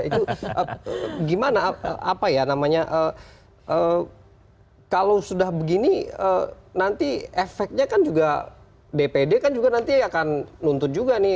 itu gimana apa ya namanya kalau sudah begini nanti efeknya kan juga dpd kan juga nanti akan nuntut juga nih